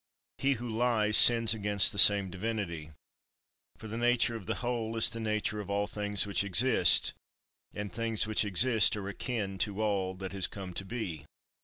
He who lies sins against the same divinity. For the nature of the whole is the nature of all things which exist; and things which exist are akin to all that has come to be.